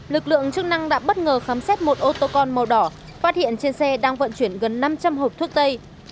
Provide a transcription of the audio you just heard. lực lượng chức năng đã bất ngờ khám xét một ô tô con màu đỏ phát hiện trên xe đang vận chuyển gần năm trăm linh hộp thuốc tây